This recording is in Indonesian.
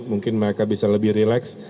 mungkin mereka bisa lebih relax